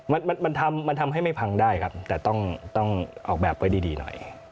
มันทำให้ไม่พังได้ครับแต่ต้องออกแบบไว้ดีหน่อย